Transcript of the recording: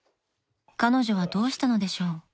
［彼女はどうしたのでしょう？］